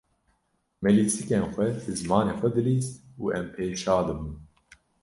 Me lîstîkên xwe bi zimanê xwe dilîst û em pê şa dibûn.